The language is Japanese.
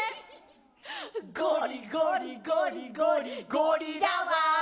「ゴリゴリゴリゴリゴリラは」